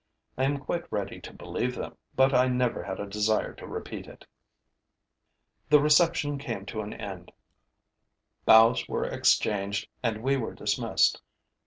I am quite ready to believe them, but I never had a desire to repeat it. The reception came to an end, bows were exchanged and we were dismissed.